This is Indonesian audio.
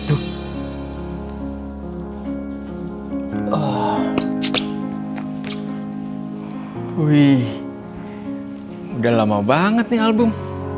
udah lama banget nih album